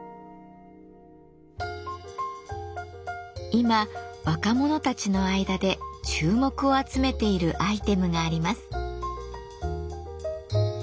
今若者たちの間で注目を集めているアイテムがあります。